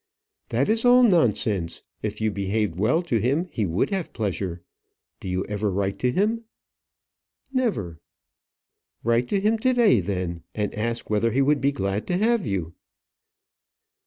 "That is all nonsense. If you behaved well to him, he would have pleasure. Do you ever write to him?" "Never." "Write to him to day then, and ask whether he would be glad to have you."